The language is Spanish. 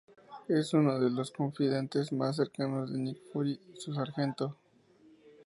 Es uno de los confidentes más cercanos de Nick Fury, su sargento.